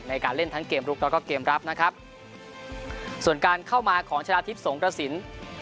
ในการเล่นทั้งเกมลุกแล้วก็เกมรับนะครับส่วนการเข้ามาของชนะทิพย์สงกระสิน